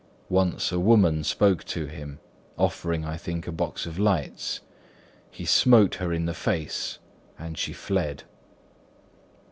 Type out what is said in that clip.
Once a woman spoke to him, offering, I think, a box of lights. He smote her in the face, and she fled.